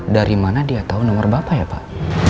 dari mana dia tahu nomor bapak ya pak